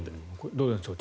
どうなんでしょう